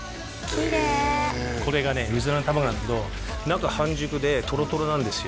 きれいこれがねうずらの卵なんだけど中半熟でとろとろなんですよ